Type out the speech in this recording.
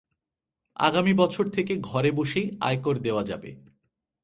আগামী বছর থেকে ঘরে বসেই আয়কর দেওয়া যাবে।